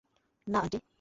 না, আন্টি।